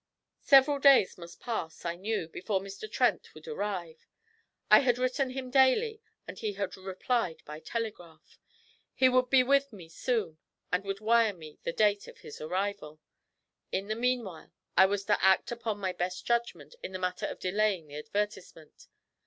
Several days must pass, I knew, before Mr. Trent would arrive. I had written him daily, and he had replied by telegraph. He would be with me soon, and would wire me the date of his arrival. In the meanwhile I was to 'act upon my best judgment' in the matter of delaying the advertisement.